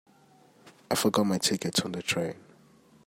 I forgot my ticket on the train.